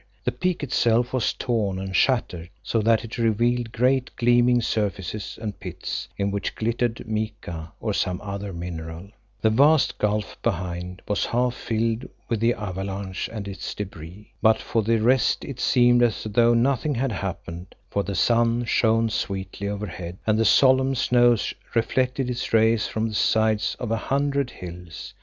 The peak itself was torn and shattered, so that it revealed great gleaming surfaces and pits, in which glittered mica, or some other mineral. The vast gulf behind was half filled with the avalanche and its debris. But for the rest, it seemed as though nothing had happened, for the sun shone sweetly overhead and the solemn snows reflected its rays from the sides of a hundred hills.